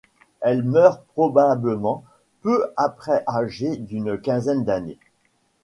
Elle meurt probablement peu après âgée d'une quinzaine d'années.